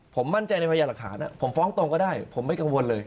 ผมมั่นใจในพยายามหลักฐานผมฟ้องตรงก็ได้ผมไม่กังวลเลย